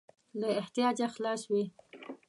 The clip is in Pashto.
له احتیاجه خلاص وي.